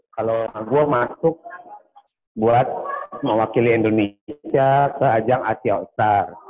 kalau gue masuk buat mewakili indonesia ke ajang asia altar